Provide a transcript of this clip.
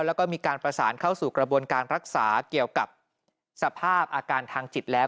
แล้วก็มีการประสานเข้าสู่กระบวนการรักษาเกี่ยวกับสภาพอาการทางจิตแล้ว